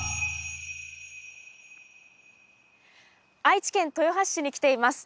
愛知県豊橋市に来ています。